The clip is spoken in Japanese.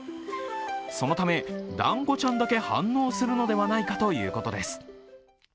そのため、だんごちゃんだけ反応するのではないかということです。